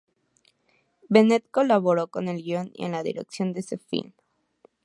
Bennett colaboró en el guion y en la dirección de ese film.